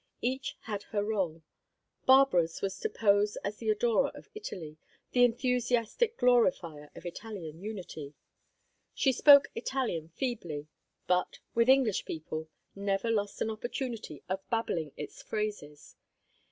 Each had her role. Barbara's was to pose as the adorer of Italy, the enthusiastic glorifier of Italian unity. She spoke Italian feebly, but, with English people, never lost an opportunity of babbling its phrases.